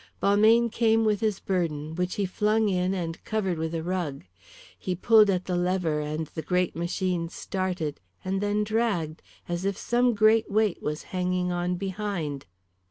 .. Balmayne came with his burden, which he flung in and covered with a rug. He pulled at the lever, and the great machine started, and then dragged, as if some great weight was hanging on behind.